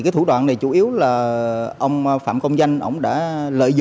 thủ đoạn này chủ yếu là ông phạm công thị quyền như ông phạm công thị quyền như ông phạm công thị quyền như